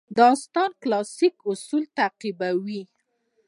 داستان کلاسیک اصول تعقیبوي.